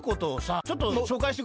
ちょっとしょうかいしてくれる？